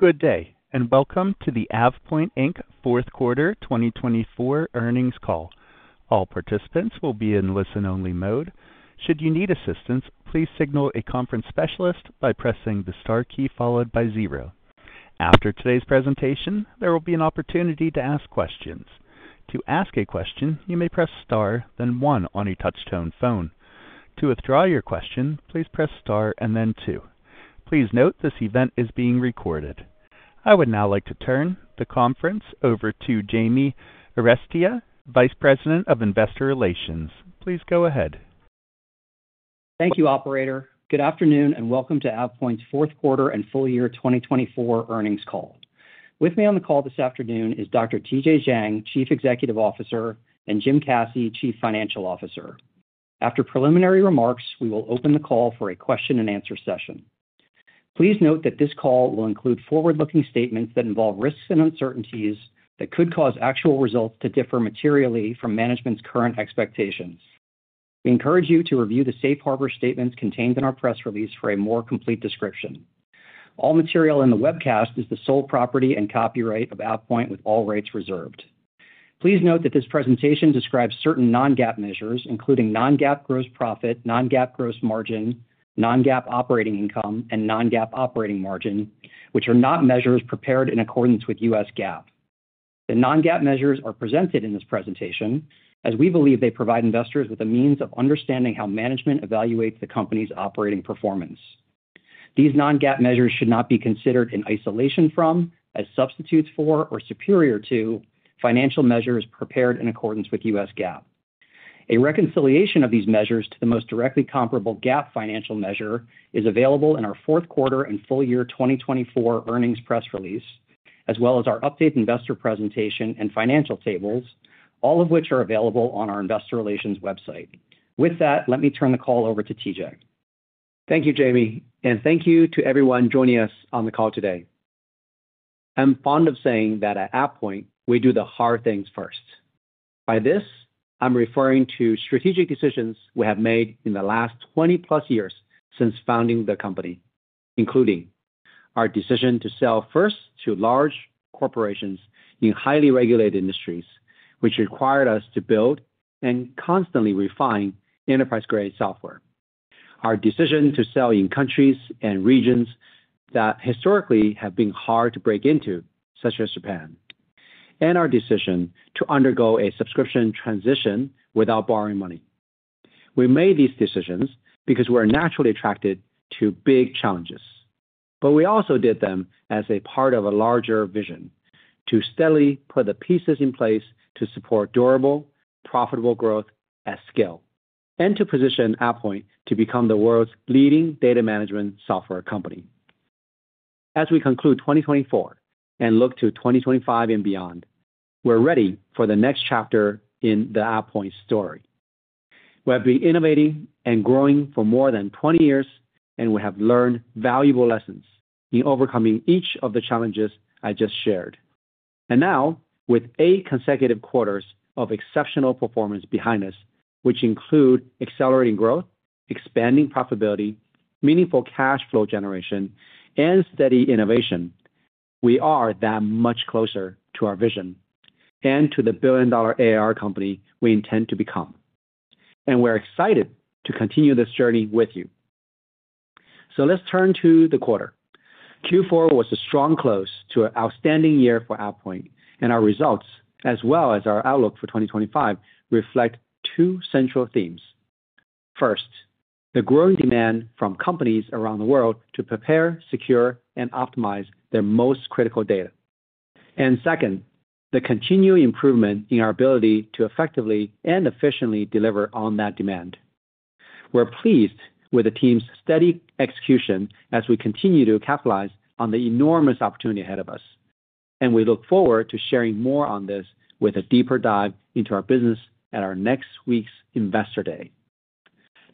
Good day, and welcome to the AvePoint Inc. Q4 2024 Earnings Call. All participants will be in listen-only mode. Should you need assistance, please signal a conference specialist by pressing the star key followed by zero. After today's presentation, there will be an opportunity to ask questions. To ask a question, you may press star, then one on a touch-tone phone. To withdraw your question, please press star and then two. Please note this event is being recorded. I would now like to turn the conference over to Jamie Arestia, Vice President of Investor Relations. Please go ahead. Thank you, Operator. Good afternoon and welcome to AvePoint's Q4 and Full Year 2024 Earnings Call. With me on the call this afternoon is Dr. TJ Jiang, Chief Executive Officer, and Jim Caci, Chief Financial Officer. After preliminary remarks, we will open the call for a question-and-answer session. Please note that this call will include forward-looking statements that involve risks and uncertainties that could cause actual results to differ materially from management's current expectations. We encourage you to review the safe harbor statements contained in our press release for a more complete description. All material in the webcast is the sole property and copyright of AvePoint, with all rights reserved. Please note that this presentation describes certain non-GAAP measures, including non-GAAP gross profit, non-GAAP gross margin, non-GAAP operating income, and non-GAAP operating margin, which are not measures prepared in accordance with U.S. GAAP. The non-GAAP measures are presented in this presentation as we believe they provide investors with a means of understanding how management evaluates the company's operating performance. These non-GAAP measures should not be considered in isolation from, as substitutes for, or superior to, financial measures prepared in accordance with U.S. GAAP. A reconciliation of these measures to the most directly comparable GAAP financial measure is available in our Q4 and Full Year 2024 earnings press release, as well as our updated investor presentation and financial tables, all of which are available on our investor relations website. With that, let me turn the call over to TJ. Thank you, Jamie, and thank you to everyone joining us on the call today. I'm fond of saying that at AvePoint, we do the hard things first. By this, I'm referring to strategic decisions we have made in the last 20-plus years since founding the company, including our decision to sell first to large corporations in highly regulated industries, which required us to build and constantly refine enterprise-grade software. Our decision to sell in countries and regions that historically have been hard to break into, such as Japan, and our decision to undergo a subscription transition without borrowing money. We made these decisions because we are naturally attracted to big challenges, but we also did them as a part of a larger vision to steadily put the pieces in place to support durable, profitable growth at scale and to position AvePoint to become the world's leading data management software company. As we conclude 2024 and look to 2025 and beyond, we're ready for the next chapter in the AvePoint story. We have been innovating and growing for more than 20 years, and we have learned valuable lessons in overcoming each of the challenges I just shared, and now, with eight consecutive quarters of exceptional performance behind us, which include accelerating growth, expanding profitability, meaningful cash flow generation, and steady innovation, we are that much closer to our vision and to the billion-dollar AR company we intend to become, and we're excited to continue this journey with you, so let's turn to the quarter. Q4 was a strong close to an outstanding year for AvePoint, and our results, as well as our outlook for 2025, reflect two central themes. First, the growing demand from companies around the world to prepare, secure, and optimize their most critical data. And second, the continued improvement in our ability to effectively and efficiently deliver on that demand. We're pleased with the team's steady execution as we continue to capitalize on the enormous opportunity ahead of us, and we look forward to sharing more on this with a deeper dive into our business at our next week's Investor Day.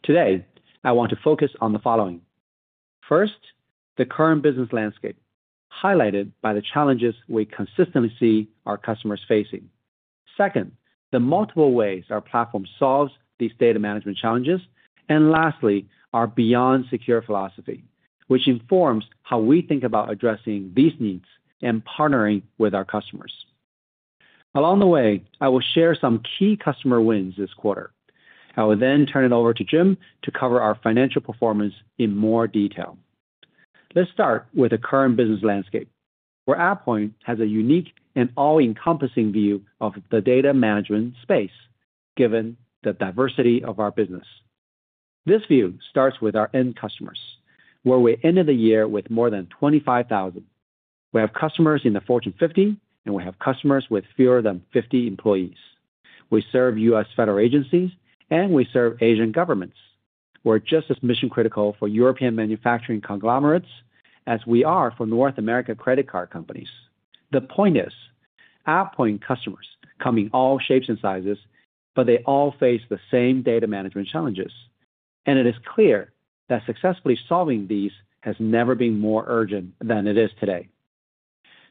Today, I want to focus on the following. First, the current business landscape, highlighted by the challenges we consistently see our customers facing. Second, the multiple ways our platform solves these data management challenges. And lastly, our Beyond Secure philosophy, which informs how we think about addressing these needs and partnering with our customers. Along the way, I will share some key customer wins this quarter. I will then turn it over to Jim to cover our financial performance in more detail. Let's start with the current business landscape, where AvePoint has a unique and all-encompassing view of the data management space, given the diversity of our business. This view starts with our end customers, where we ended the year with more than 25,000. We have customers in the Fortune 50, and we have customers with fewer than 50 employees. We serve U.S. federal agencies, and we serve Asian governments. We're just as mission-critical for European manufacturing conglomerates as we are for North America credit card companies. The point is, AvePoint customers come in all shapes and sizes, but they all face the same data management challenges. And it is clear that successfully solving these has never been more urgent than it is today.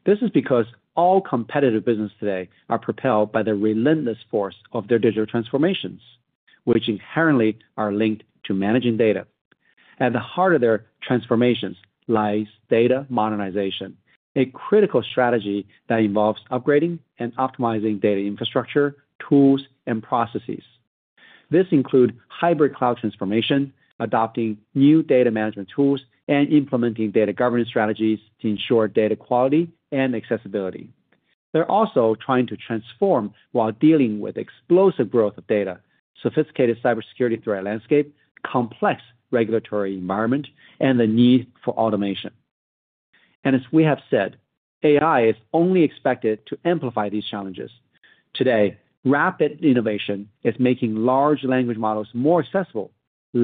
This is because all competitive businesses today are propelled by the relentless force of their digital transformations, which inherently are linked to managing data. At the heart of their transformations lies data modernization, a critical strategy that involves upgrading and optimizing data infrastructure, tools, and processes. This includes hybrid cloud transformation, adopting new data management tools, and implementing data governance strategies to ensure data quality and accessibility. They're also trying to transform while dealing with explosive growth of data, sophisticated cybersecurity threat landscape, complex regulatory environment, and the need for automation, and as we have said, AI is only expected to amplify these challenges. Today, rapid innovation is making large language models more accessible,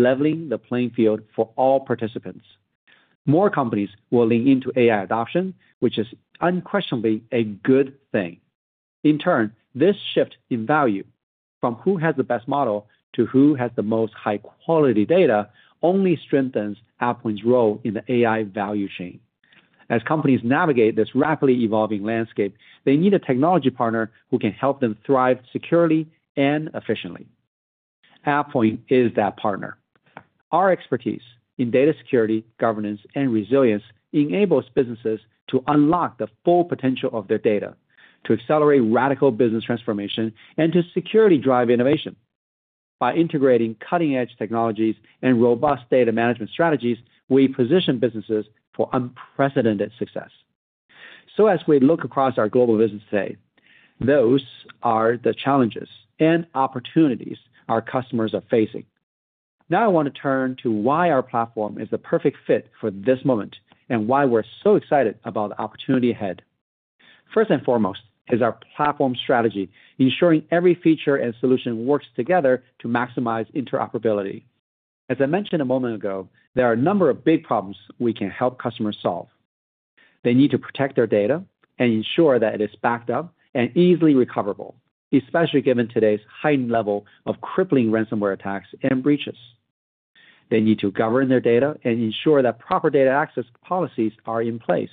leveling the playing field for all participants. More companies will lean into AI adoption, which is unquestionably a good thing. In turn, this shift in value from who has the best model to who has the most high-quality data only strengthens AvePoint's role in the AI value chain. As companies navigate this rapidly evolving landscape, they need a technology partner who can help them thrive securely and efficiently. AvePoint is that partner. Our expertise in data security, governance, and resilience enables businesses to unlock the full potential of their data, to accelerate radical business transformation, and to securely drive innovation. By integrating cutting-edge technologies and robust data management strategies, we position businesses for unprecedented success. So as we look across our global business today, those are the challenges and opportunities our customers are facing. Now I want to turn to why our platform is the perfect fit for this moment and why we're so excited about the opportunity ahead. First and foremost is our platform strategy, ensuring every feature and solution works together to maximize interoperability. As I mentioned a moment ago, there are a number of big problems we can help customers solve. They need to protect their data and ensure that it is backed up and easily recoverable, especially given today's heightened level of crippling ransomware attacks and breaches. They need to govern their data and ensure that proper data access policies are in place.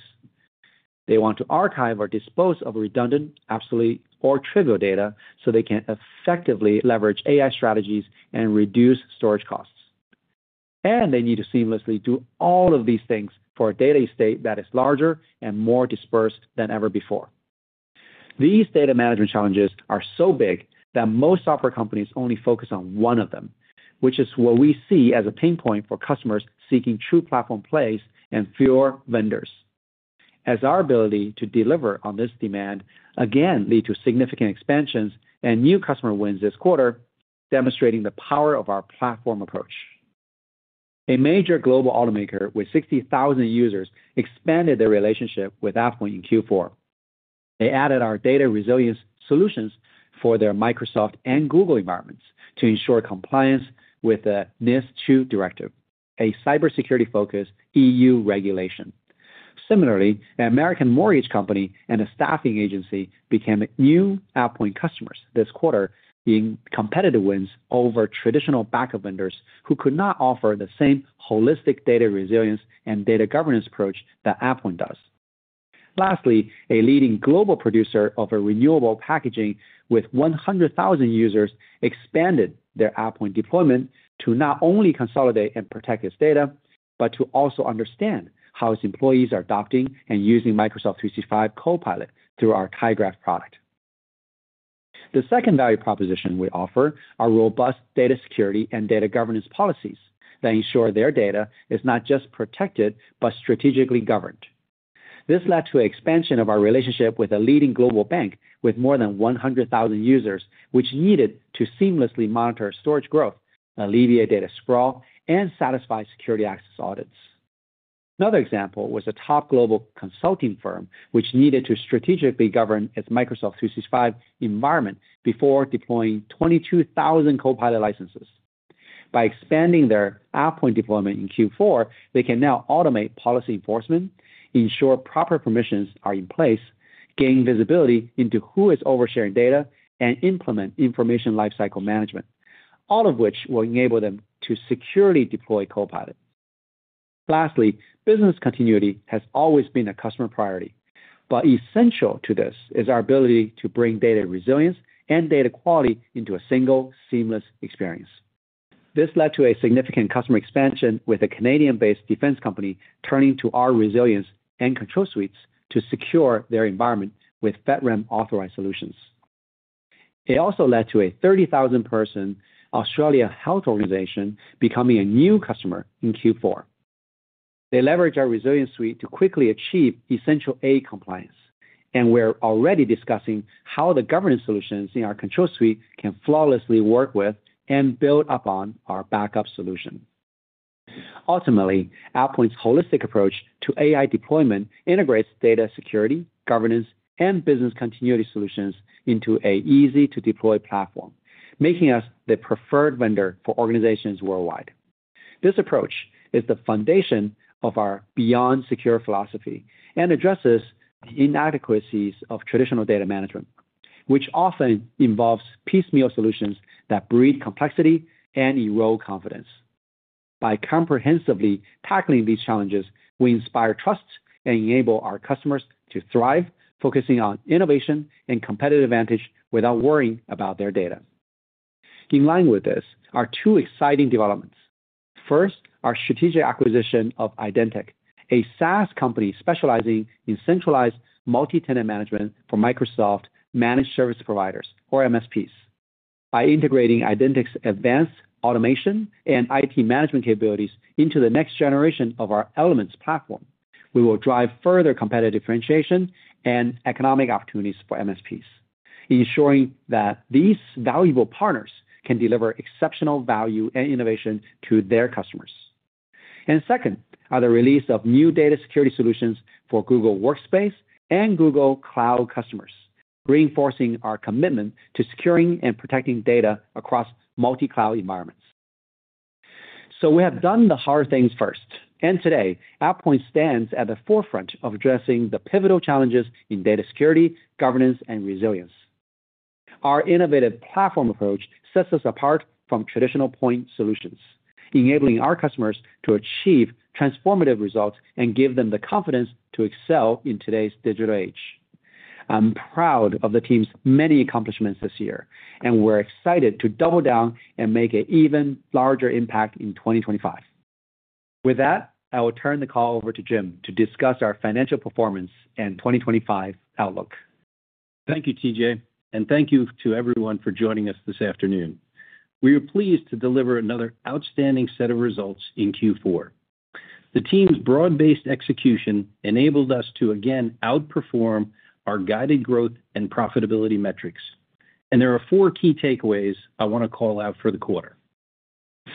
They want to archive or dispose of redundant, obsolete, or trivial data so they can effectively leverage AI strategies and reduce storage costs, and they need to seamlessly do all of these things for a data estate that is larger and more dispersed than ever before. These data management challenges are so big that most software companies only focus on one of them, which is what we see as a pain point for customers seeking true platform plays and fewer vendors, as our ability to deliver on this demand again led to significant expansions and new customer wins this quarter, demonstrating the power of our platform approach. A major global automaker with 60,000 users expanded their relationship with AvePoint in Q4. They added our data resilience solutions for their Microsoft and Google environments to ensure compliance with the NIS2 Directive, a cybersecurity-focused EU regulation. Similarly, an American mortgage company and a staffing agency became new AvePoint customers this quarter, being competitive wins over traditional backup vendors who could not offer the same holistic data resilience and data governance approach that AvePoint does. Lastly, a leading global producer of renewable packaging with 100,000 users expanded their AvePoint deployment to not only consolidate and protect its data, but to also understand how its employees are adopting and using Microsoft 365 Copilot through our tyGraph product. The second value proposition we offer are robust data security and data governance policies that ensure their data is not just protected but strategically governed. This led to an expansion of our relationship with a leading global bank with more than 100,000 users, which needed to seamlessly monitor storage growth, alleviate data sprawl, and satisfy security access audits. Another example was a top global consulting firm, which needed to strategically govern its Microsoft 365 environment before deploying 22,000 Copilot licenses. By expanding their AvePoint deployment in Q4, they can now automate policy enforcement, ensure proper permissions are in place, gain visibility into who is oversharing data, and implement information lifecycle management, all of which will enable them to securely deploy Copilot. Lastly, business continuity has always been a customer priority, but essential to this is our ability to bring data resilience and data quality into a single, seamless experience. This led to a significant customer expansion, with a Canadian-based defense company turning to our Resilience and Control Suites to secure their environment with FedRAMP authorized solutions. It also led to a 30,000-person Australian health organization becoming a new customer in Q4. They leverage our Resilience Suite to quickly achieve Essential Eight compliance, and we're already discussing how the governance solutions in our Control Suite can flawlessly work with and build upon our backup solution. Ultimately, AvePoint's holistic approach to AI deployment integrates data security, governance, and business continuity solutions into an easy-to-deploy platform, making us the preferred vendor for organizations worldwide. This approach is the foundation of our Beyond Secure philosophy and addresses the inadequacies of traditional data management, which often involves piecemeal solutions that breed complexity and erode confidence. By comprehensively tackling these challenges, we inspire trust and enable our customers to thrive, focusing on innovation and competitive advantage without worrying about their data. In line with this are two exciting developments. First, our strategic acquisition of Idenxt, a SaaS company specializing in centralized multi-tenant management for Microsoft Managed Service Providers, or MSPs. By integrating Idenxt's advanced automation and IT management capabilities into the next generation of our Elements platform, we will drive further competitive differentiation and economic opportunities for MSPs, ensuring that these valuable partners can deliver exceptional value and innovation to their customers, and second are the release of new data security solutions for Google Workspace and Google Cloud customers, reinforcing our commitment to securing and protecting data across multi-cloud environments, so we have done the hard things first, and today, AvePoint stands at the forefront of addressing the pivotal challenges in data security, governance, and resilience. Our innovative platform approach sets us apart from traditional point solutions, enabling our customers to achieve transformative results and give them the confidence to excel in today's digital age. I'm proud of the team's many accomplishments this year, and we're excited to double down and make an even larger impact in 2025. With that, I will turn the call over to Jim to discuss our financial performance and 2025 outlook. Thank you, TJ, and thank you to everyone for joining us this afternoon. We are pleased to deliver another outstanding set of results in Q4. The team's broad-based execution enabled us to again outperform our guided growth and profitability metrics. And there are four key takeaways I want to call out for the quarter.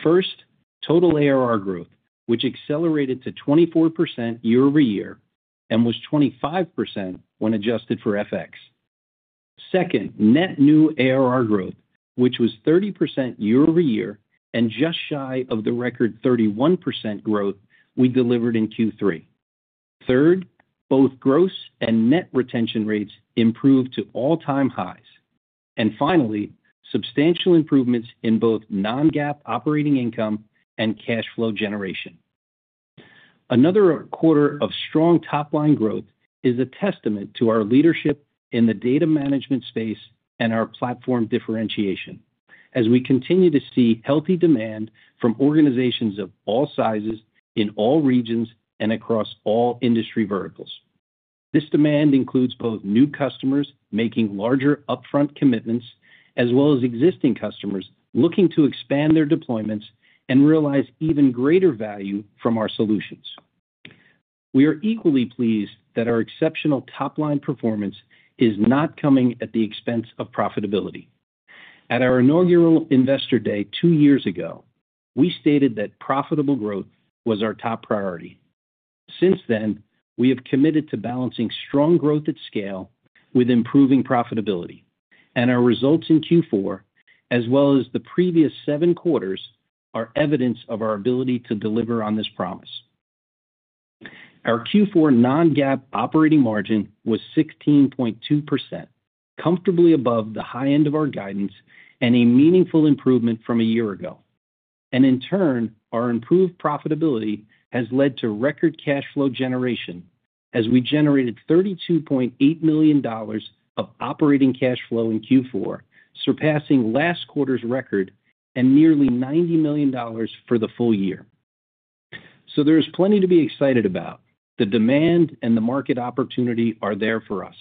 First, total ARR growth, which accelerated to 24% year-over-year and was 25% when adjusted for FX. Second, net new ARR growth, which was 30% year-over-year and just shy of the record 31% growth we delivered in Q3. Third, both gross and net retention rates improved to all-time highs. And finally, substantial improvements in both non-GAAP operating income and cash flow generation. Another quarter of strong top-line growth is a testament to our leadership in the data management space and our platform differentiation, as we continue to see healthy demand from organizations of all sizes, in all regions, and across all industry verticals. This demand includes both new customers making larger upfront commitments, as well as existing customers looking to expand their deployments and realize even greater value from our solutions. We are equally pleased that our exceptional top-line performance is not coming at the expense of profitability. At our inaugural Investor Day, two years ago, we stated that profitable growth was our top priority. Since then, we have committed to balancing strong growth at scale with improving profitability, and our results in Q4, as well as the previous seven quarters, are evidence of our ability to deliver on this promise. Our Q4 non-GAAP operating margin was 16.2%, comfortably above the high end of our guidance and a meaningful improvement from a year ago, and in turn, our improved profitability has led to record cash flow generation, as we generated $32.8 million of operating cash flow in Q4, surpassing last quarter's record and nearly $90 million for the full year, so there is plenty to be excited about. The demand and the market opportunity are there for us,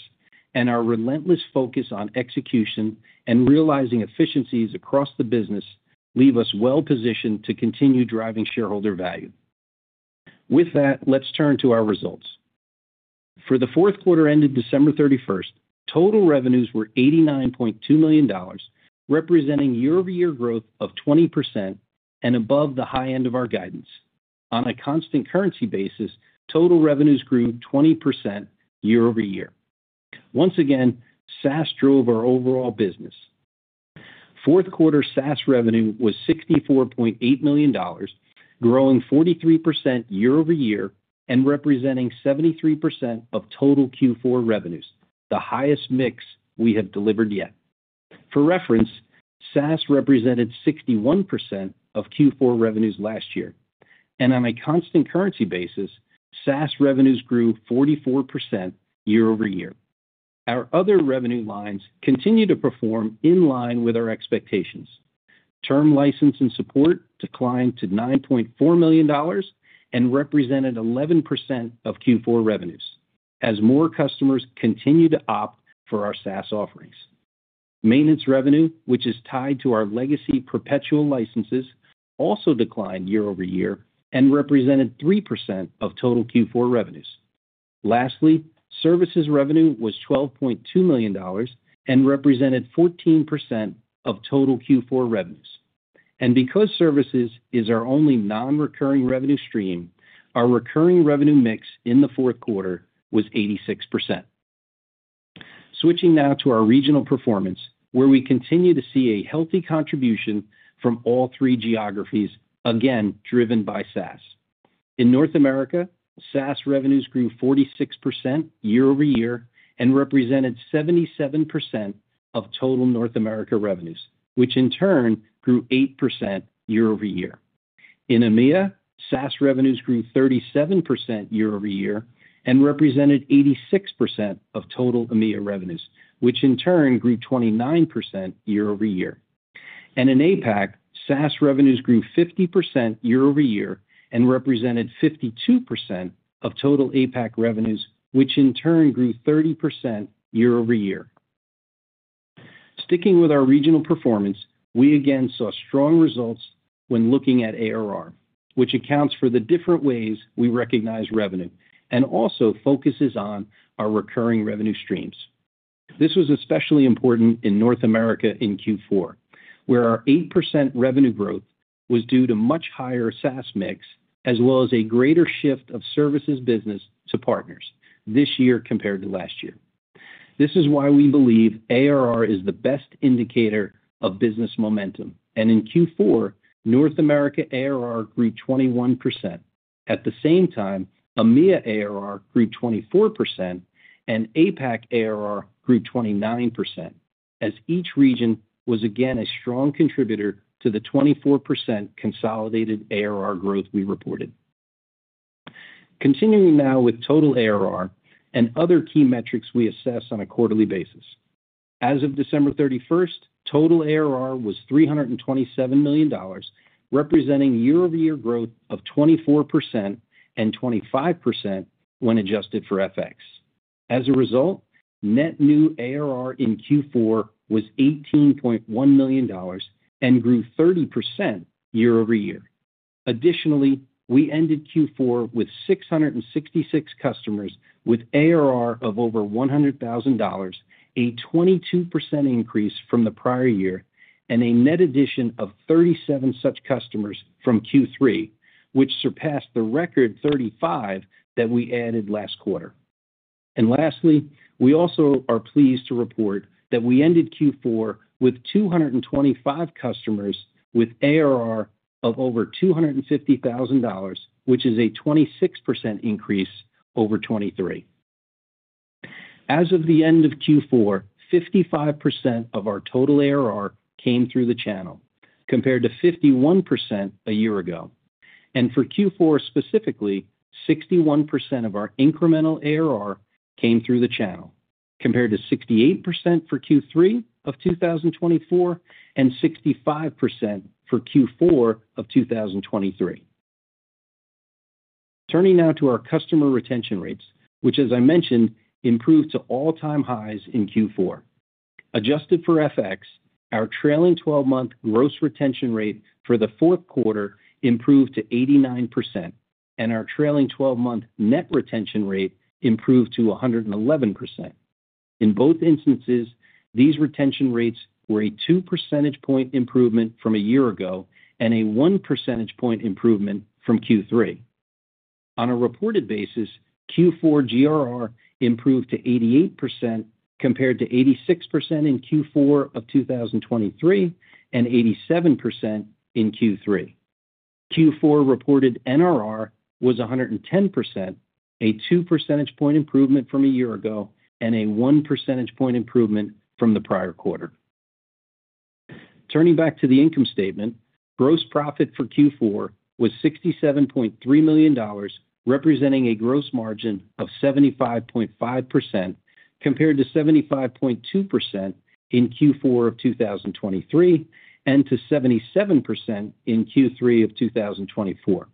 and our relentless focus on execution and realizing efficiencies across the business leave us well-positioned to continue driving shareholder value. With that, let's turn to our results. For the Q4 ended December 31st, total revenues were $89.2 million, representing year-over-year growth of 20% and above the high end of our guidance. On a constant currency basis, total revenues grew 20% year-over-year. Once again, SaaS drove our overall business. Q4 SaaS revenue was $64.8 million, growing 43% year-over-year and representing 73% of total Q4 revenues, the highest mix we have delivered yet. For reference, SaaS represented 61% of Q4 revenues last year. And on a constant currency basis, SaaS revenues grew 44% year-over-year. Our other revenue lines continue to perform in line with our expectations. Term license and support declined to $9.4 million and represented 11% of Q4 revenues, as more customers continue to opt for our SaaS offerings. Maintenance revenue, which is tied to our legacy perpetual licenses, also declined year-over-year and represented 3% of total Q4 revenues. Lastly, services revenue was $12.2 million and represented 14% of total Q4 revenues, and because services is our only non-recurring revenue stream, our recurring revenue mix in the Q4 was 86%. Switching now to our regional performance, where we continue to see a healthy contribution from all three geographies, again driven by SaaS. In North America, SaaS revenues grew 46% year-over-year and represented 77% of total North America revenues, which in turn grew 8% year-over-year. In EMEA, SaaS revenues grew 37% year-over-year and represented 86% of total EMEA revenues, which in turn grew 29% year-over-year, and in APAC, SaaS revenues grew 50% year-over-year and represented 52% of total APAC revenues, which in turn grew 30% year-over-year. Sticking with our regional performance, we again saw strong results when looking at ARR, which accounts for the different ways we recognize revenue and also focuses on our recurring revenue streams. This was especially important in North America in Q4, where our 8% revenue growth was due to much higher SaaS mix, as well as a greater shift of services business to partners this year compared to last year. This is why we believe ARR is the best indicator of business momentum, and in Q4, North America ARR grew 21%. At the same time, EMEA ARR grew 24%, and APAC ARR grew 29%, as each region was again a strong contributor to the 24% consolidated ARR growth we reported. Continuing now with total ARR and other key metrics we assess on a quarterly basis. As of December 31st, total ARR was $327 million, representing year-over-year growth of 24% and 25% when adjusted for FX. As a result, net new ARR in Q4 was $18.1 million and grew 30% year-over-year. Additionally, we ended Q4 with 666 customers with ARR of over $100,000, a 22% increase from the prior year, and a net addition of 37 such customers from Q3, which surpassed the record 35 that we added last quarter. And lastly, we also are pleased to report that we ended Q4 with 225 customers with ARR of over $250,000, which is a 26% increase over 2023. As of the end of Q4, 55% of our total ARR came through the channel, compared to 51% a year ago. And for Q4 specifically, 61% of our incremental ARR came through the channel, compared to 68% for Q3 of 2024 and 65% for Q4 of 2023. Turning now to our customer retention rates, which, as I mentioned, improved to all-time highs in Q4. Adjusted for FX, our trailing 12-month gross retention rate for the Q4 improved to 89%, and our trailing 12-month net retention rate improved to 111%. In both instances, these retention rates were a two percentage point improvement from a year ago and a one percentage point improvement from Q3. On a reported basis, Q4 GRR improved to 88%, compared to 86% in Q4 of 2023 and 87% in Q3. Q4 reported NRR was 110%, a two percentage point improvement from a year ago, and a one percentage point improvement from the prior quarter. Turning back to the income statement, gross profit for Q4 was $67.3 million, representing a gross margin of 75.5%, compared to 75.2% in Q4 of 2023 and to 77% in Q3 of 2024.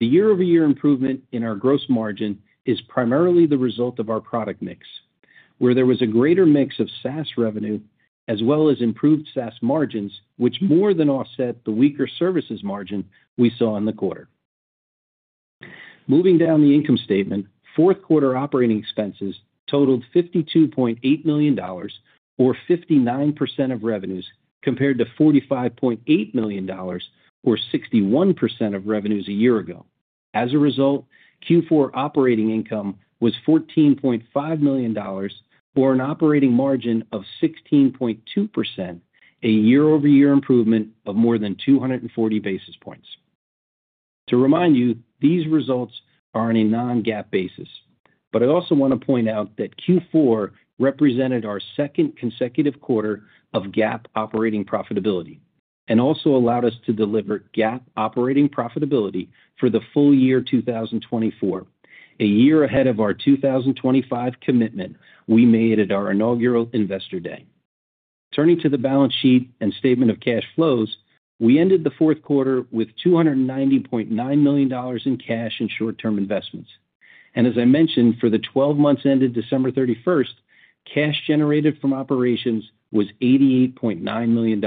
The year-over-year improvement in our gross margin is primarily the result of our product mix, where there was a greater mix of SaaS revenue as well as improved SaaS margins, which more than offset the weaker services margin we saw in the quarter. Moving down the income statement, Q4 operating expenses totaled $52.8 million, or 59% of revenues, compared to $45.8 million, or 61% of revenues a year ago. As a result, Q4 operating income was $14.5 million, or an operating margin of 16.2%, a year-over-year improvement of more than 240 basis points. To remind you, these results are on a non-GAAP basis, but I also want to point out that Q4 represented our second consecutive quarter of GAAP operating profitability and also allowed us to deliver GAAP operating profitability for the full year 2024, a year ahead of our 2025 commitment we made at our inaugural Investor Day. Turning to the balance sheet and statement of cash flows, we ended the Q4 with $290.9 million in cash and short-term investments. And as I mentioned, for the 12 months ended December 31st, cash generated from operations was $88.9 million,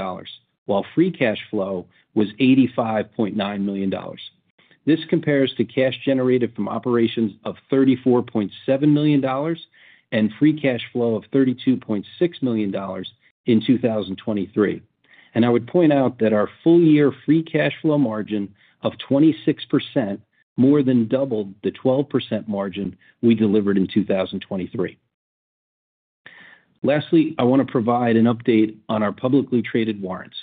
while free cash flow was $85.9 million. This compares to cash generated from operations of $34.7 million and free cash flow of $32.6 million in 2023. And I would point out that our full-year free cash flow margin of 26% more than doubled the 12% margin we delivered in 2023. Lastly, I want to provide an update on our publicly traded warrants.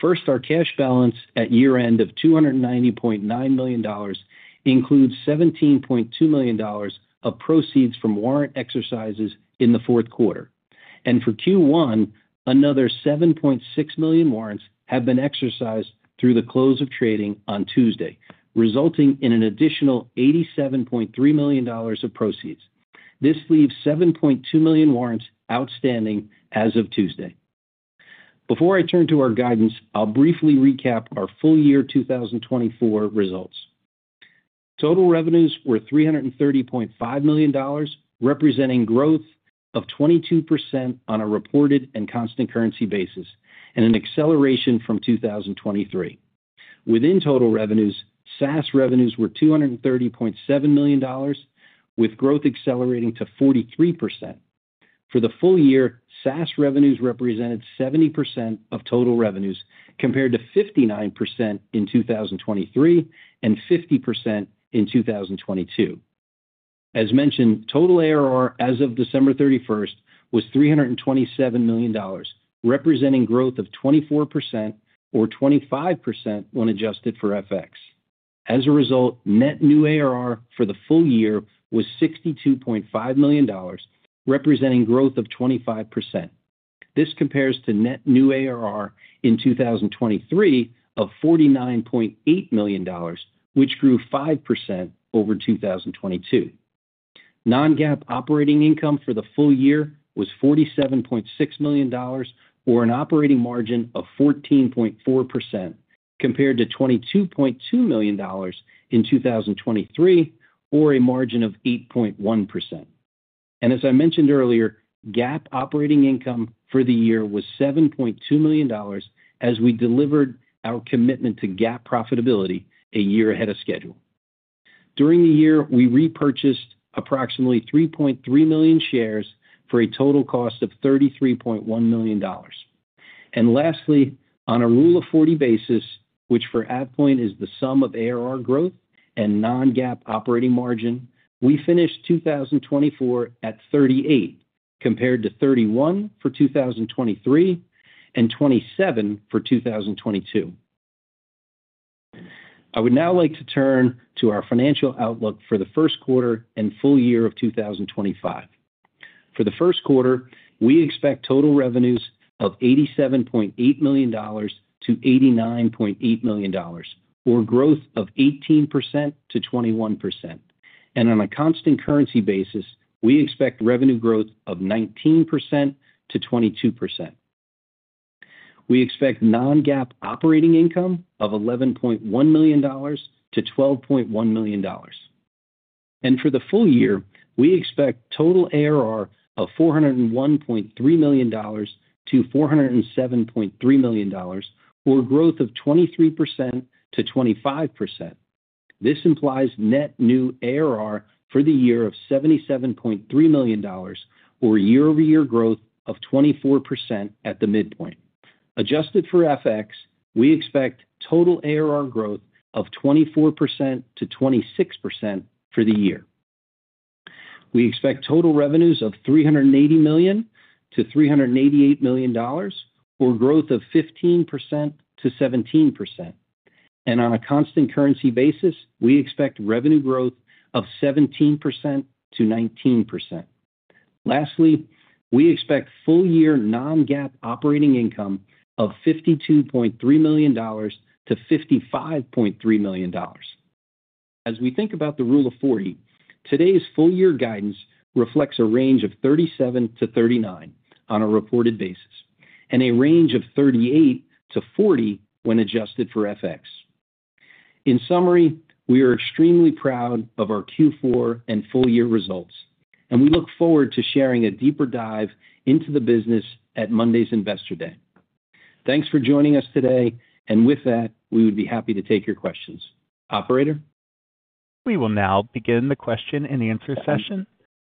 First, our cash balance at year-end of $290.9 million includes $17.2 million of proceeds from warrant exercises in the Q4. And for Q1, another 7.6 million warrants have been exercised through the close of trading on Tuesday, resulting in an additional $87.3 million of proceeds. This leaves 7.2 million warrants outstanding as of Tuesday. Before I turn to our guidance, I'll briefly recap our full-year 2024 results. Total revenues were $330.5 million, representing growth of 22% on a reported and constant currency basis, and an acceleration from 2023. Within total revenues, SaaS revenues were $230.7 million, with growth accelerating to 43%. For the full year, SaaS revenues represented 70% of total revenues, compared to 59% in 2023 and 50% in 2022. As mentioned, total ARR as of December 31st was $327 million, representing growth of 24% or 25% when adjusted for FX. As a result, net new ARR for the full year was $62.5 million, representing growth of 25%. This compares to net new ARR in 2023 of $49.8 million, which grew 5% over 2022. Non-GAAP operating income for the full year was $47.6 million, or an operating margin of 14.4%, compared to $22.2 million in 2023, or a margin of 8.1%. As I mentioned earlier, GAAP operating income for the year was $7.2 million as we delivered our commitment to GAAP profitability a year ahead of schedule. During the year, we repurchased approximately 3.3 million shares for a total cost of $33.1 million. And lastly, on a Rule of 40 basis, which for AvePoint is the sum of ARR growth and non-GAAP operating margin, we finished 2024 at 38, compared to 31 for 2023 and 27 for 2022. I would now like to turn to our financial outlook for the Q1 and full year of 2025. For the Q1, we expect total revenues of $87.8 to 89.8 million, or growth of 18% to 21%. On a constant currency basis, we expect revenue growth of 19% to 22%. We expect non-GAAP operating income of $11.1 to 12.1 million. For the full year, we expect total ARR of $401.3 to 407.3 million, or growth of 23% to 25%. This implies net new ARR for the year of $77.3 million, or year-over-year growth of 24% at the midpoint. Adjusted for FX, we expect total ARR growth of 24% to 26% for the year. We expect total revenues of $380 to 388 million, or growth of 15% to 17%. On a constant currency basis, we expect revenue growth of 17% to 19%. Lastly, we expect full-year non-GAAP operating income of $52.3 to 55.3 million. As we think about the Rule of 40, today's full-year guidance reflects a range of 37 to 39 on a reported basis, and a range of 38 to 40 when adjusted for FX. In summary, we are extremely proud of our Q4 and full-year results, and we look forward to sharing a deeper dive into the business at Monday's Investor Day. Thanks for joining us today, and with that, we would be happy to take your questions. Operator. We will now begin the question and answer session.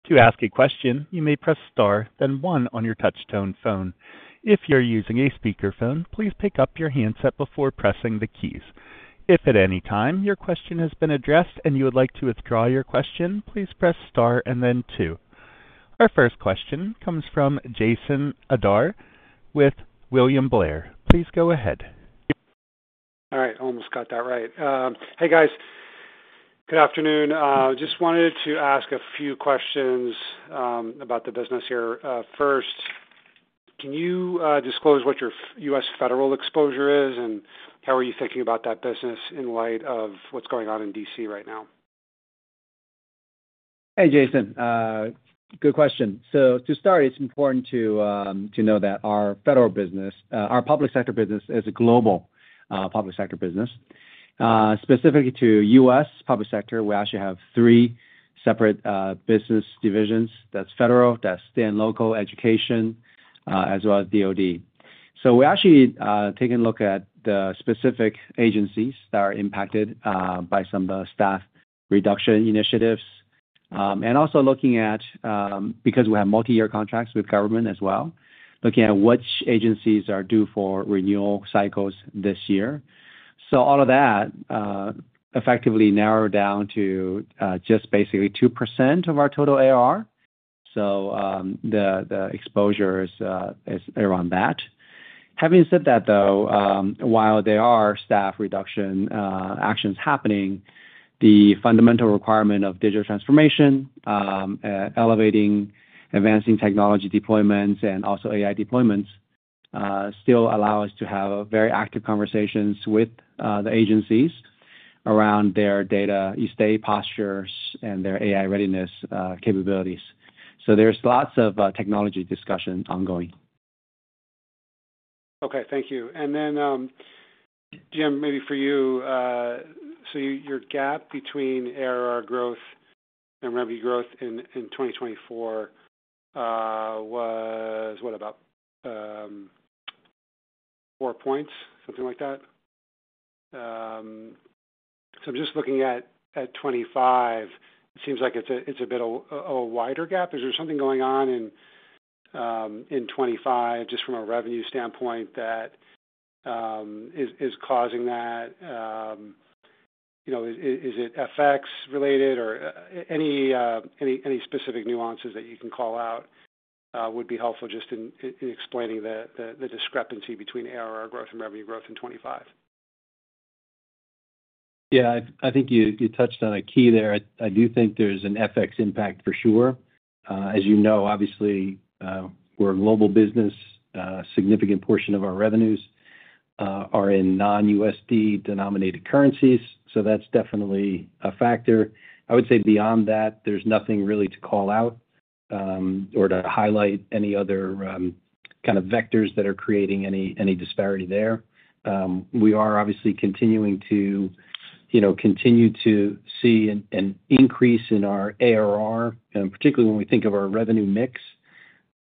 To ask a question, you may press star, then one on your touch-tone phone. If you're using a speakerphone, please pick up your handset before pressing the keys. If at any time your question has been addressed and you would like to withdraw your question, please press star and then two. Our first question comes from Jason Ader with William Blair. Please go ahead. All right. Almost got that right. Hey, guys. Good afternoon. Just wanted to ask a few questions about the business here. First, can you disclose what your U.S. federal exposure is, and how are you thinking about that business in light of what's going on in D.C. right now? Hey, Jason. Good question. So to start, it's important to know that our federal business, our public sector business, is a global public sector business. Specifically to U.S. public sector, we actually have three separate business divisions. That's federal, that's state and local, education, as well as DoD. So we're actually taking a look at the specific agencies that are impacted by some of the staff reduction initiatives, and also looking at, because we have multi-year contracts with government as well, which agencies are due for renewal cycles this year. All of that effectively narrowed down to just basically 2% of our total ARR. So the exposure is around that. Having said that, though, while there are staff reduction actions happening, the fundamental requirement of digital transformation, elevating, advancing technology deployments, and also AI deployments still allow us to have very active conversations with the agencies around their data estate postures and their AI readiness capabilities. So there's lots of technology discussion ongoing. Okay. Thank you. Then, Jim, maybe for you, so your gap between ARR growth and revenue growth in 2024 was what about four points, something like that? So I'm just looking at 2025. It seems like it's a bit of a wider gap. Is there something going on in 2025 just from a revenue standpoint that is causing that? Is it FX-related or any specific nuances that you can call out would be helpful just in explaining the discrepancy between ARR growth and revenue growth in 2025? Yeah. I think you touched on a key there. I do think there's an FX impact for sure. As you know, obviously, we're a global business. A significant portion of our revenues are in non-USD denominated currencies. So that's definitely a factor. I would say beyond that, there's nothing really to call out or to highlight any other kind of vectors that are creating any disparity there. We are obviously continuing to see an increase in our ARR, particularly when we think of our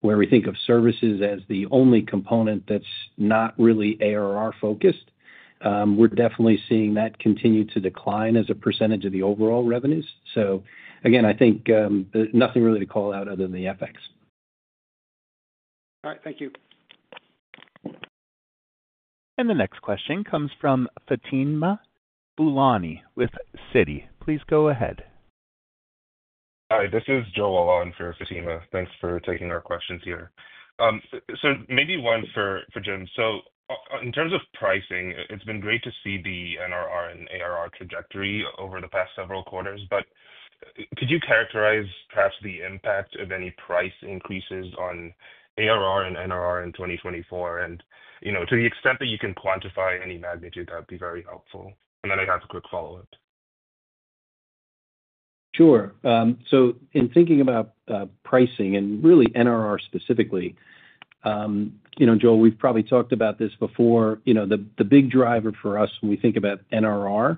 revenue mix, where we think of services as the only component that's not really ARR-focused. We're definitely seeing that continue to decline as a percentage of the overall revenues. So again, I think nothing really to call out other than the FX. All right. Thank you. And the next question comes from Fatima Boolani with Citi. Please go ahead. Hi. This is Joe Aron for Fatima. Thanks for taking our questions here. So maybe one for Jim. So in terms of pricing, it's been great to see the NRR and ARR trajectory over the past several quarters. But could you characterize perhaps the impact of any price increases on ARR and NRR in 2024? And to the extent that you can quantify any magnitude, that would be very helpful. And then I have a quick follow-up. Sure. So in thinking about pricing and really NRR specifically, Joe, we've probably talked about this before. The big driver for us when we think about NRR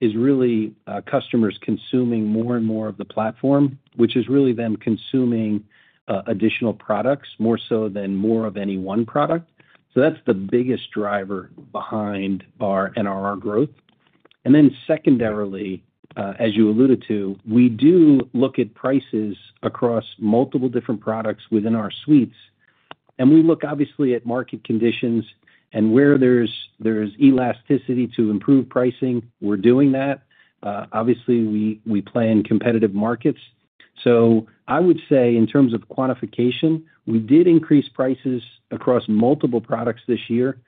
is really customers consuming more and more of the platform, which is really them consuming additional products more so than more of any one product. So that's the biggest driver behind our NRR growth. And then secondarily, as you alluded to, we do look at prices across multiple different products within our suites. And we look obviously at market conditions and where there's elasticity to improve pricing. We're doing that. Obviously, we play in competitive markets. So I would say in terms of quantification, we did increase prices across multiple products this year.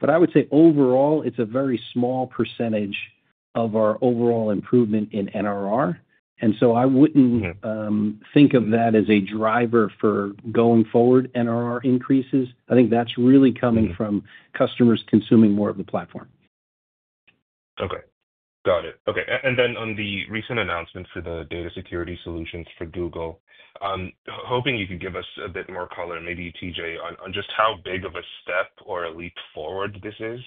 But I would say overall, it's a very small percentage of our overall improvement in NRR. And so I wouldn't think of that as a driver for going forward NRR increases. I think that's really coming from customers consuming more of the platform. Okay. Got it. Okay. And then, on the recent announcement for the data security solutions for Google, hoping you can give us a bit more color, maybe TJ, on just how big of a step or a leap forward this is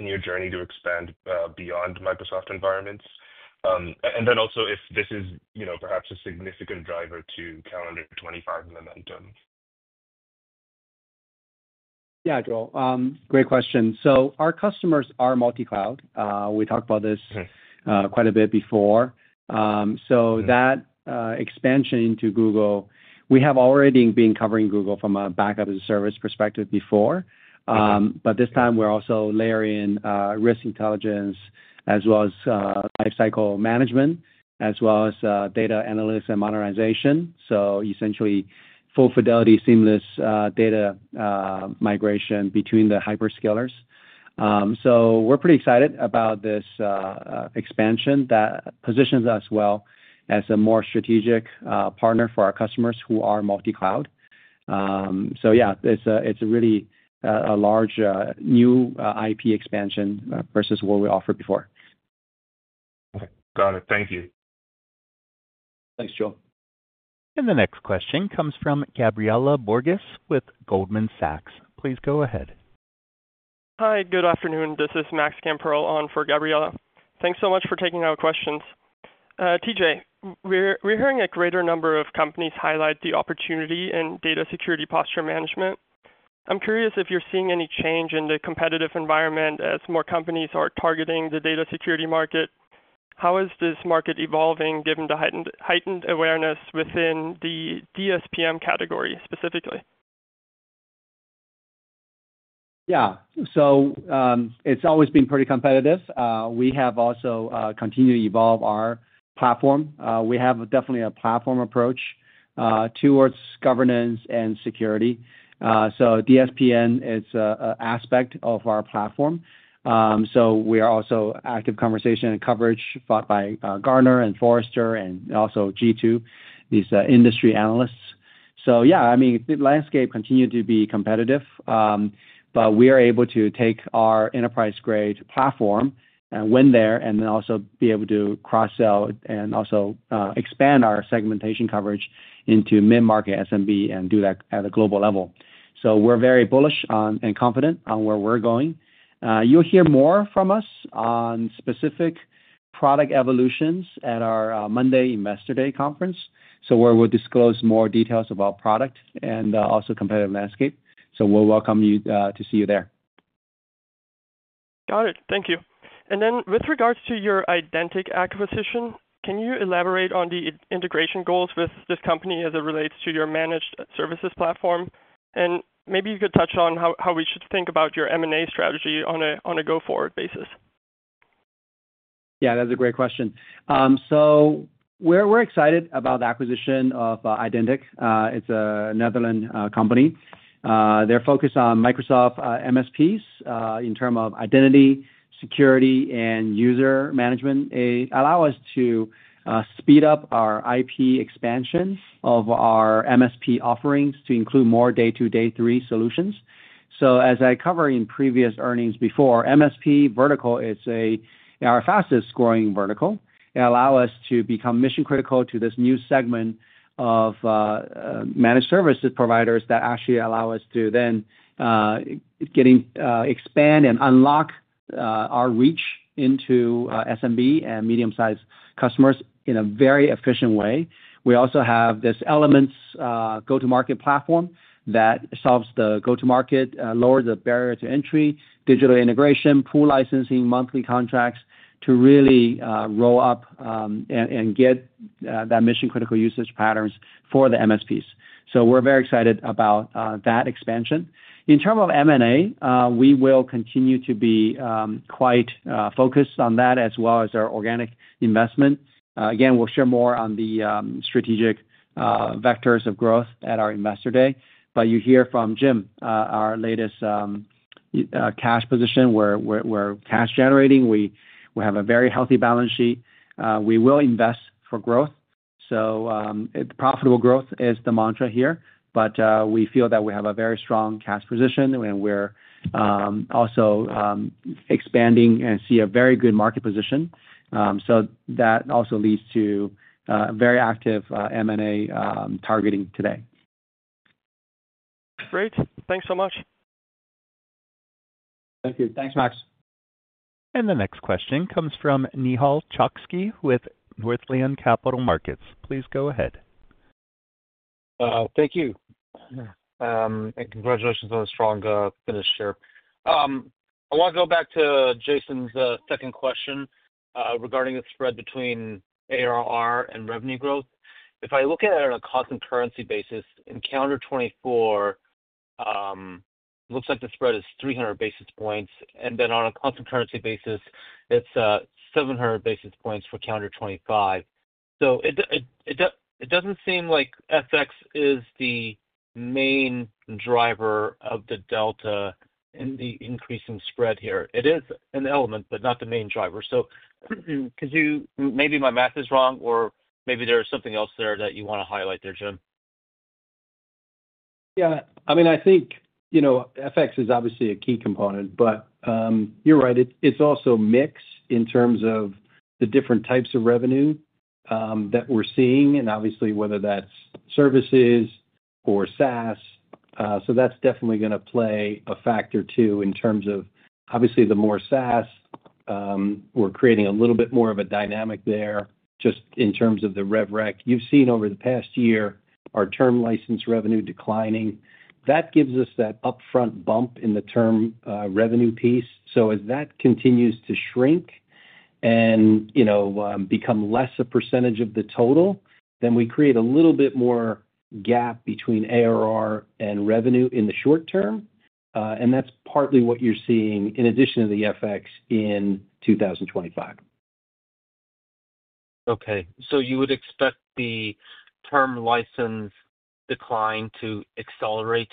in your journey to expand beyond Microsoft environments. And then also, if this is perhaps a significant driver to calendar '25 momentum. Yeah, Joe. Great question. So our customers are multi-cloud. We talked about this quite a bit before. So that expansion into Google, we have already been covering Google from a backup as a service perspective before. But this time, we're also layering risk intelligence as well as lifecycle management, as well as data analytics and modernization. So essentially, full fidelity, seamless data migration between the hyperscalers. So we're pretty excited about this expansion that positions us well as a more strategic partner for our customers who are multi-cloud. So yeah, it's really a large new IP expansion versus what we offered before. Okay. Got it. Thank you. Thanks, Joe. And the next question comes from Gabriela Borges with Goldman Sachs. Please go ahead. Hi. Good afternoon. This is Max Gamperl on for Gabriela. Thanks so much for taking our questions. TJ, we're hearing a greater number of companies highlight the opportunity in data security posture management. I'm curious if you're seeing any change in the competitive environment as more companies are targeting the data security market. How is this market evolving given the heightened awareness within the DSPM category specifically? Yeah. So it's always been pretty competitive. We have also continued to evolve our platform. We have definitely a platform approach towards governance and security. So DSPM is an aspect of our platform. So we are also active in conversations and coverage from Gartner and Forrester and also G2, these industry analysts. So yeah, I mean, the landscape continued to be competitive. But we are able to take our enterprise-grade platform and win there and then also be able to cross-sell and also expand our segmentation coverage into mid-market SMB and do that at a global level. So we're very bullish and confident on where we're going. You'll hear more from us on specific product evolutions at our Monday Investor Day conference. So we'll disclose more details about product and also competitive landscape. So we look forward to seeing you there. Got it. Thank you. And then with regards to your Idenxt acquisition, can you elaborate on the integration goals with this company as it relates to your managed services platform? Maybe you could touch on how we should think about your M&A strategy on a go-forward basis. Yeah. That's a great question. We're excited about the acquisition of Idenxt. It's a Netherlands company. They're focused on Microsoft MSPs in terms of identity, security, and user management. It allows us to speed up our IP expansion of our MSP offerings to include more Day 2, Day 3 solutions. As I covered in previous earnings before, MSP vertical is our fastest-growing vertical. It allows us to become mission-critical to this new segment of managed services providers that actually allow us to then expand and unlock our reach into SMB and medium-sized customers in a very efficient way. We also have this Elements go-to-market platform that solves the go-to-market, lowers the barrier to entry, digital integration, pool licensing, monthly contracts to really roll up and get that mission-critical usage patterns for the MSPs. So we're very excited about that expansion. In terms of M&A, we will continue to be quite focused on that as well as our organic investment. Again, we'll share more on the strategic vectors of growth at our investor day. But you hear from Jim, our latest cash position, we're cash-generating. We have a very healthy balance sheet. We will invest for growth. So profitable growth is the mantra here. But we feel that we have a very strong cash position, and we're also expanding and see a very good market position. So that also leads to very active M&A targeting today. Great. Thanks so much. Thanks, Max. And the next question comes from Nehal Chokshi with Northland Capital Markets. Please go ahead. Thank you. And congratulations on a strong finish here. I want to go back to Jason's second question regarding the spread between ARR and revenue growth. If I look at it on a constant currency basis, in calendar 2024, it looks like the spread is 300 basis points. And then on a constant currency basis, it's 700 basis points for calendar 2025. So it doesn't seem like FX is the main driver of the delta in the increasing spread here. It is an element, but not the main driver. So maybe my math is wrong, or maybe there's something else there that you want to highlight there, Jim. Yeah. I mean, I think FX is obviously a key component. But you're right. It's also mixed in terms of the different types of revenue that we're seeing, and obviously, whether that's services or SaaS. So that's definitely going to play a factor too in terms of obviously, the more SaaS, we're creating a little bit more of a dynamic there just in terms of the Rev Rec. You've seen over the past year our term license revenue declining. That gives us that upfront bump in the term revenue piece, so as that continues to shrink and become less a percentage of the total, then we create a little bit more gap between ARR and revenue in the short term, and that's partly what you're seeing in addition to the FX in 2025. Okay, so you would expect the term license decline to accelerate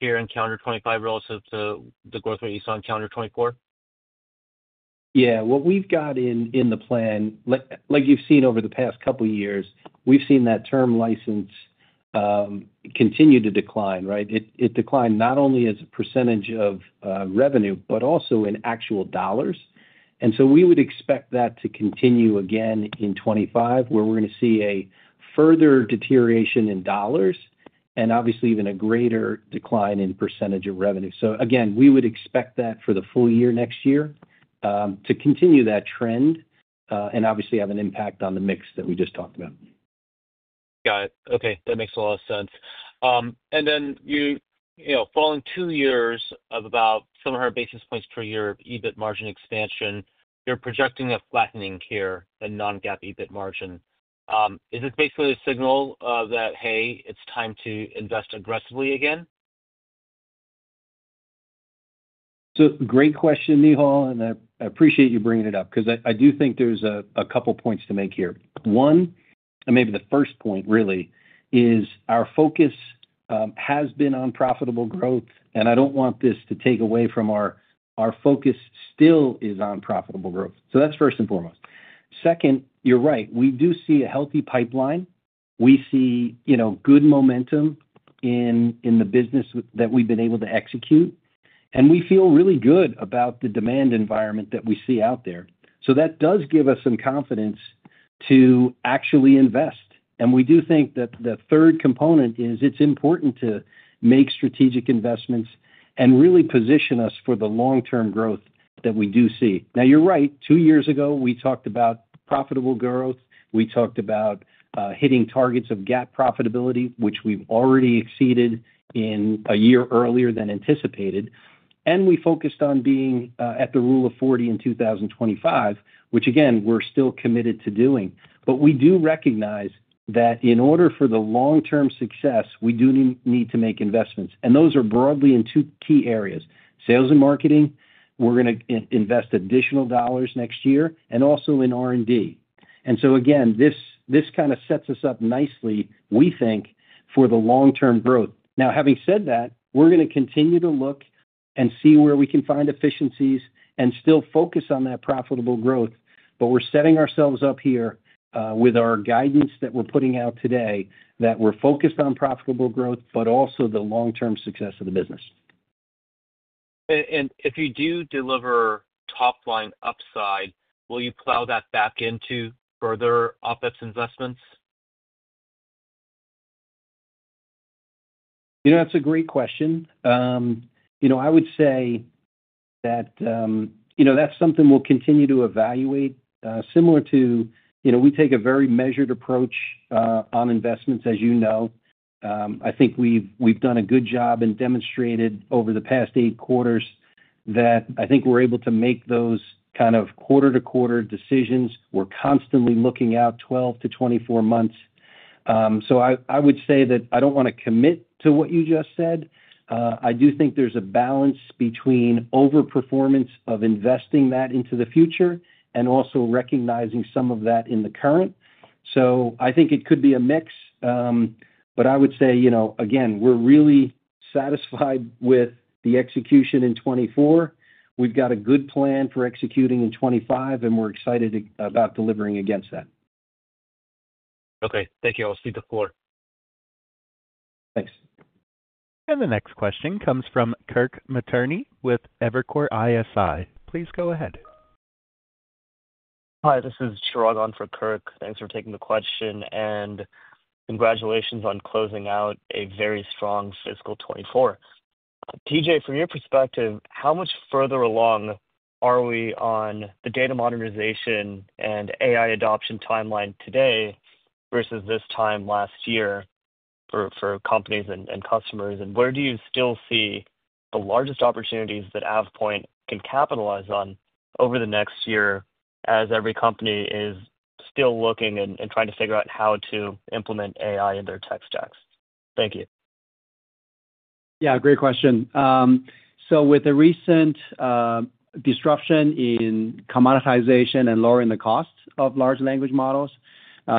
here in calendar 2025 relative to the growth that you saw in calendar 2024? Yeah. What we've got in the plan, like you've seen over the past couple of years, we've seen that term license continue to decline, right? It declined not only as a percentage of revenue, but also in actual dollars. And so we would expect that to continue again in 2025, where we're going to see a further deterioration in dollars and obviously even a greater decline in percentage of revenue. So again, we would expect that for the full year next year to continue that trend and obviously have an impact on the mix that we just talked about. Got it. Okay. That makes a lot of sense. And then following two years of about 700 basis points per year of EBIT margin expansion, you're projecting a flattening here, the non-GAAP EBIT margin. Is this basically a signal that, hey, it's time to invest aggressively again? So great question, Nehal. And I appreciate you bringing it up because I do think there's a couple of points to make here. One, and maybe the first point really, is our focus has been on profitable growth. And I don't want this to take away from our focus still is on profitable growth. So that's first and foremost. Second, you're right. We do see a healthy pipeline. We see good momentum in the business that we've been able to execute. And we feel really good about the demand environment that we see out there. So that does give us some confidence to actually invest. And we do think that the third component is it's important to make strategic investments and really position us for the long-term growth that we do see. Now, you're right. Two years ago, we talked about profitable growth. We talked about hitting targets of GAAP profitability, which we've already exceeded in a year earlier than anticipated. And we focused on being at the Rule of 40 in 2025, which again, we're still committed to doing. But we do recognize that in order for the long-term success, we do need to make investments. And those are broadly in two key areas: sales and marketing. We're going to invest additional dollars next year and also in R&D. And so again, this kind of sets us up nicely, we think, for the long-term growth. Now, having said that, we're going to continue to look and see where we can find efficiencies and still focus on that profitable growth. But we're setting ourselves up here with our guidance that we're putting out today that we're focused on profitable growth, but also the long-term success of the business. And if you do deliver top-line upside, will you plow that back into further OpEx investments? That's a great question. I would say that that's something we'll continue to evaluate. Similar to, we take a very measured approach on investments, as you know. I think we've done a good job and demonstrated over the past eight quarters that I think we're able to make those kind of quarter-to-quarter decisions. We're constantly looking out 12 to 24 months. So I would say that I don't want to commit to what you just said. I do think there's a balance between overperformance of investing that into the future and also recognizing some of that in the current. So I think it could be a mix. But I would say, again, we're really satisfied with the execution in 2024. We've got a good plan for executing in 2025, and we're excited about delivering against that. Okay. Thank you. I'll cede the floor. Thanks. And the next question comes from Kirk Materne with Evercore ISI. Please go ahead. Hi. This is Chirag on for Kirk. Thanks for taking the question. And congratulations on closing out a very strong fiscal 2024. TJ, from your perspective, how much further along are we on the data modernization and AI adoption timeline today versus this time last year for companies and customers? And where do you still see the largest opportunities that AvePoint can capitalize on over the next year as every company is still looking and trying to figure out how to implement AI in their tech stacks? Thank you. Yeah. Great question. With the recent disruption in commoditization and lowering the cost of large language models,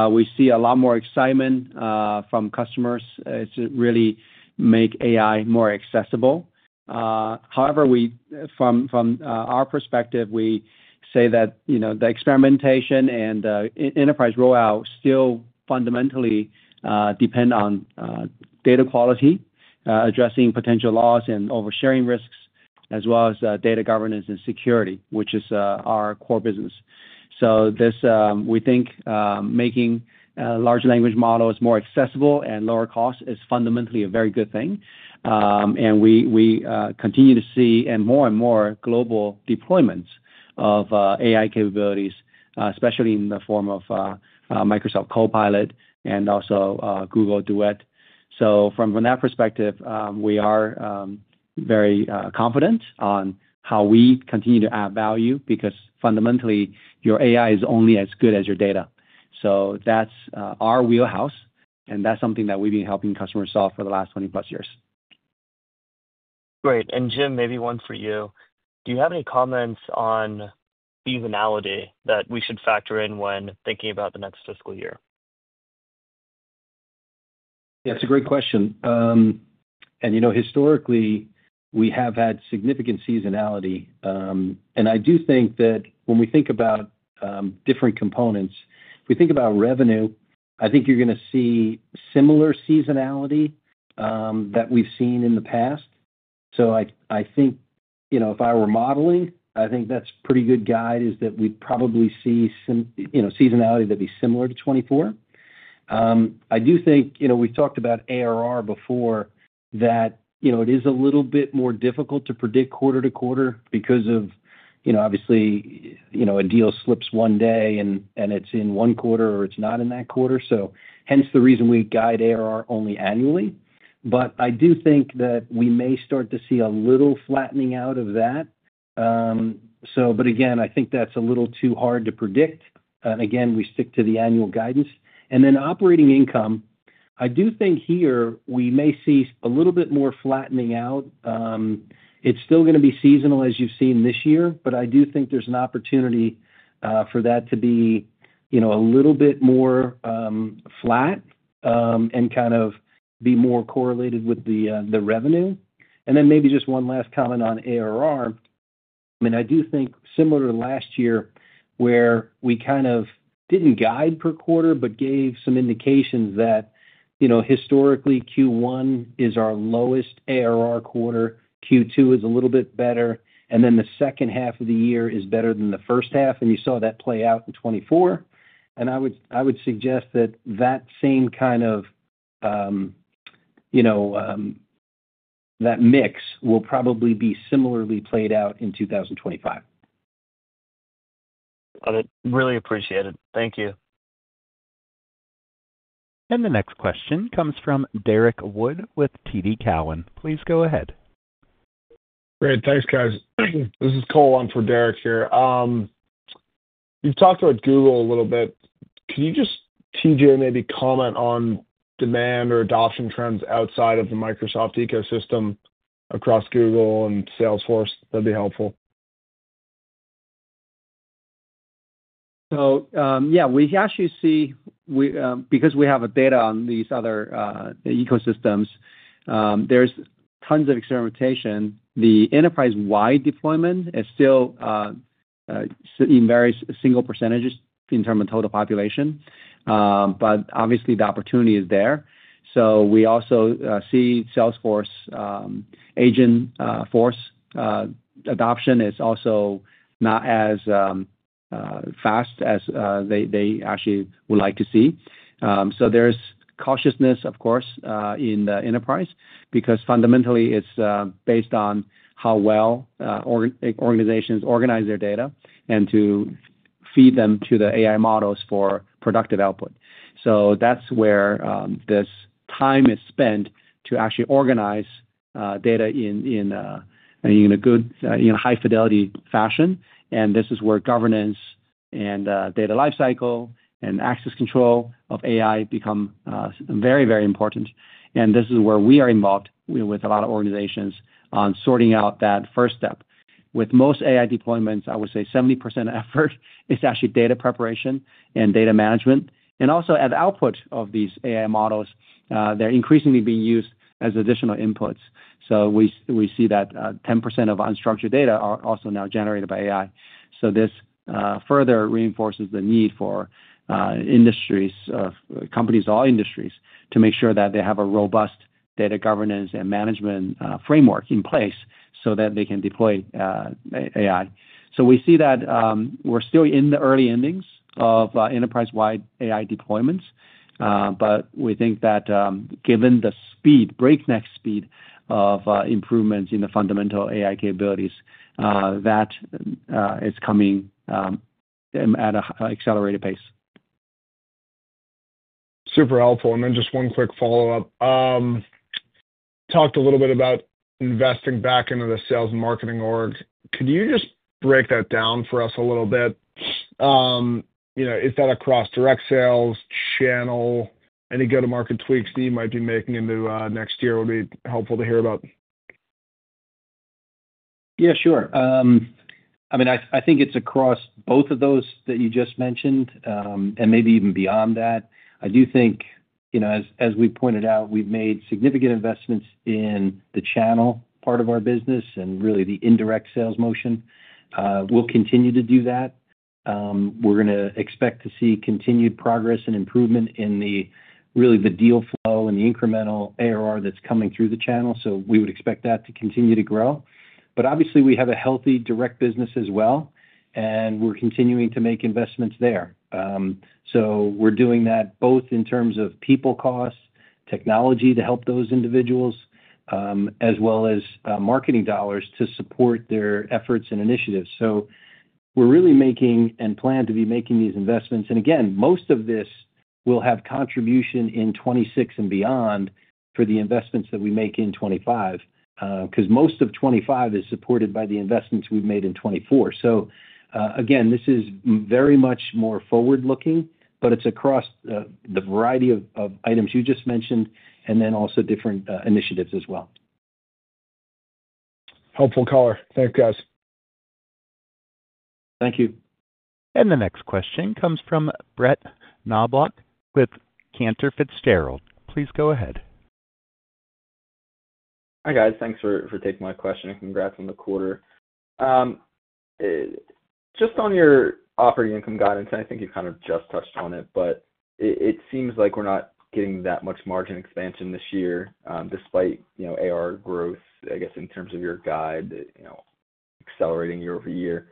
we see a lot more excitement from customers to really make AI more accessible. However, from our perspective, we say that the experimentation and enterprise rollout still fundamentally depend on data quality, addressing potential loss and oversharing risks, as well as data governance and security, which is our core business. We think making large language models more accessible and lower cost is fundamentally a very good thing. We continue to see more and more global deployments of AI capabilities, especially in the form of Microsoft Copilot and also Google Duet. From that perspective, we are very confident on how we continue to add value because fundamentally, your AI is only as good as your data. That's our wheelhouse. And that's something that we've been helping customers solve for the last 20-plus years. Great. And Jim, maybe one for you. Do you have any comments on seasonality that we should factor in when thinking about the next fiscal year? Yeah. It's a great question. And historically, we have had significant seasonality. And I do think that when we think about different components, if we think about revenue, I think you're going to see similar seasonality that we've seen in the past. So I think if I were modeling, I think that's a pretty good guide is that we'd probably see seasonality that'd be similar to 2024. I do think we've talked about ARR before that it is a little bit more difficult to predict quarter to quarter because of obviously a deal slips one day and it's in one quarter or it's not in that quarter. So hence the reason we guide ARR only annually. But I do think that we may start to see a little flattening out of that. But again, I think that's a little too hard to predict. And again, we stick to the annual guidance. And then operating income, I do think here we may see a little bit more flattening out. It's still going to be seasonal as you've seen this year. But I do think there's an opportunity for that to be a little bit more flat and kind of be more correlated with the revenue. And then maybe just one last comment on ARR. I mean, I do think similar to last year where we kind of didn't guide per quarter but gave some indications that historically Q1 is our lowest ARR quarter, Q2 is a little bit better, and then the second half of the year is better than the first half, and you saw that play out in 2024. And I would suggest that that same kind of that mix will probably be similarly played out in 2025. Got it. Really appreciate it. Thank you. And the next question comes from Derrick Wood with TD Cowen. Please go ahead. Great. Thanks, guys. This is Cole on for Derrick here. You've talked about Google a little bit. Can you just, TJ, maybe comment on demand or adoption trends outside of the Microsoft ecosystem across Google and Salesforce? That'd be helpful. So yeah, we actually see because we have data on these other ecosystems, there's tons of experimentation. The enterprise-wide deployment is still in very single-digit percentages in terms of total population. But obviously, the opportunity is there. So we also see Salesforce Agentforce adoption is also not as fast as they actually would like to see. So there's cautiousness, of course, in the enterprise because fundamentally it's based on how well organizations organize their data and to feed them to the AI models for productive output. So that's where this time is spent to actually organize data in a good, high-fidelity fashion. And this is where governance and data lifecycle and access control of AI become very, very important. And this is where we are involved with a lot of organizations on sorting out that first step. With most AI deployments, I would say 70% effort is actually data preparation and data management. And also at the output of these AI models, they're increasingly being used as additional inputs. So we see that 10% of unstructured data are also now generated by AI. So this further reinforces the need for industries, companies, all industries to make sure that they have a robust data governance and management framework in place so that they can deploy AI. So we see that we're still in the early innings of enterprise-wide AI deployments. But we think that given the speed, breakneck speed of improvements in the fundamental AI capabilities, that is coming at an accelerated pace. Super helpful. And then just one quick follow-up. Talked a little bit about investing back into the sales and marketing org. Could you just break that down for us a little bit? Is that across direct sales, channel, any go-to-market tweaks that you might be making into next year would be helpful to hear about? Yeah, sure. I mean, I think it's across both of those that you just mentioned and maybe even beyond that. I do think, as we pointed out, we've made significant investments in the channel part of our business and really the indirect sales motion. We'll continue to do that. We're going to expect to see continued progress and improvement in really the deal flow and the incremental ARR that's coming through the channel, so we would expect that to continue to grow, but obviously, we have a healthy direct business as well, and we're continuing to make investments there, so we're doing that both in terms of people costs, technology to help those individuals, as well as marketing dollars to support their efforts and initiatives. So, we're really making and plan to be making these investments. And again, most of this will have contribution in 2026 and beyond for the investments that we make in 2025 because most of 2025 is supported by the investments we've made in 2024. So again, this is very much more forward-looking, but it's across the variety of items you just mentioned and then also different initiatives as well. Helpful color. Thank you, guys. Thank you. And the next question comes from Brett Knoblauch with Cantor Fitzgerald. Please go ahead. Hi, guys. Thanks for taking my question and congrats on the quarter. Just on your operating income guidance, and I think you kind of just touched on it, but it seems like we're not getting that much margin expansion this year despite ARR growth, I guess, in terms of your guide accelerating year-over-year.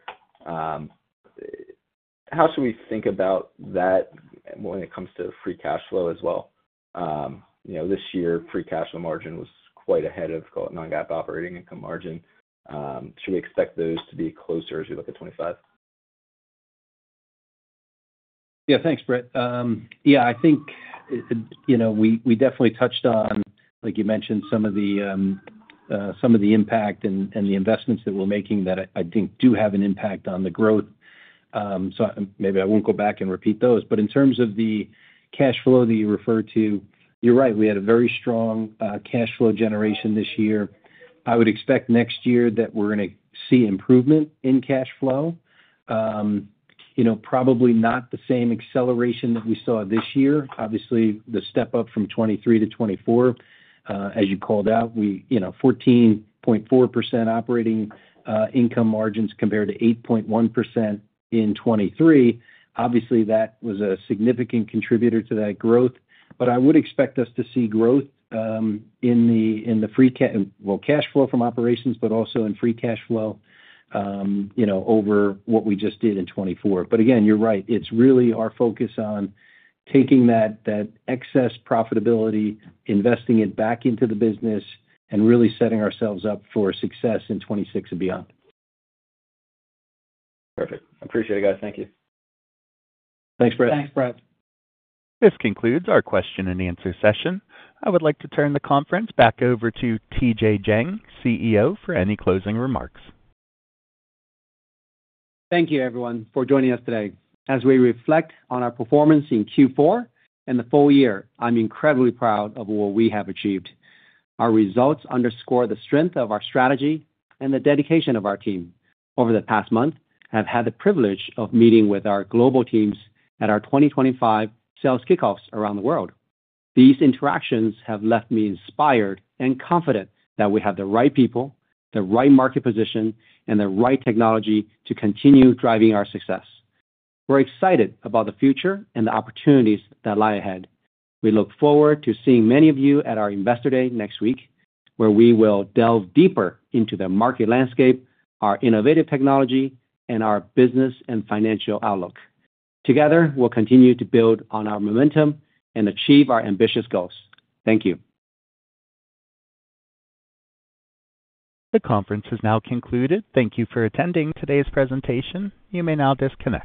How should we think about that when it comes to free cash flow as well? This year, free cash flow margin was quite ahead of non-GAAP operating income margin. Should we expect those to be closer as we look at 2025? Yeah. Thanks, Brett. Yeah, I think we definitely touched on, like you mentioned, some of the impact and the investments that we're making that I think do have an impact on the growth. So maybe I won't go back and repeat those. But in terms of the cash flow that you referred to, you're right. We had a very strong cash flow generation this year. I would expect next year that we're going to see improvement in cash flow. Probably not the same acceleration that we saw this year. Obviously, the step up from 2023 to 2024, as you called out, 14.4% operating income margins compared to 8.1% in 2023. Obviously, that was a significant contributor to that growth. But I would expect us to see growth in the free cash flow from operations, but also in free cash flow over what we just did in 2024. But again, you're right. It's really our focus on taking that excess profitability, investing it back into the business, and really setting ourselves up for success in 2026 and beyond. Perfect. Appreciate it, guys. Thank you. Thanks, Brett. This concludes our question and answer session. I would like to turn the conference back over to TJ Jiang, CEO, for any closing remarks. Thank you, everyone, for joining us today. As we reflect on our performance in Q4 and the full year, I'm incredibly proud of what we have achieved. Our results underscore the strength of our strategy and the dedication of our team. Over the past month, I have had the privilege of meeting with our global teams at our 2025 Sales Kickoffs around the world. These interactions have left me inspired and confident that we have the right people, the right market position, and the right technology to continue driving our success. We're excited about the future and the opportunities that lie ahead. We look forward to seeing many of you at our Investor Day next week, where we will delve deeper into the market landscape, our innovative technology, and our business and financial outlook. Together, we'll continue to build on our momentum and achieve our ambitious goals. Thank you. The conference has now concluded. Thank you for attending today's presentation. You may now disconnect.